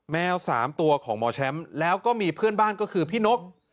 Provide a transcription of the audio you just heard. แมว๓ตัวของหมอแชมป์แล้วก็มีเพื่อนบ้านก็คือพี่นก